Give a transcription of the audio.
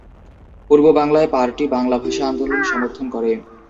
পূর্ববাংলায় party Bangla ভাষা আন্দোলন সমর্থন করে।